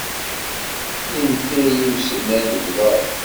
Yenta- iyi usennan deg uḍaḍ.